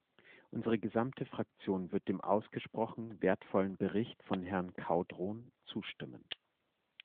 Unsere gesamte Fraktion wird dem ausgesprochen wertvollen Bericht von Herrn Caudron zustimmen.